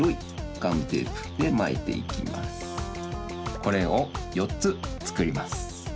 これをよっつつくります。